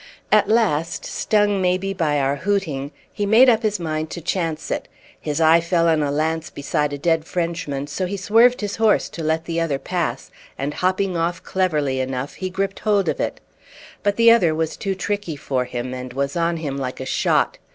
At last, stung maybe by our hooting, he made up his mind to chance it. His eye fell on a lance beside a dead Frenchman, so he swerved his horse to let the other pass, and hopping off cleverly enough, he gripped hold of it. But the other was too tricky for him, and was on him like a shot.